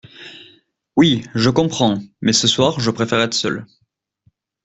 Oui, je comprends, mais ce soir je préfère être seul.